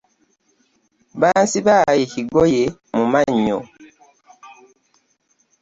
Bansiba ekigoye mu mannyo.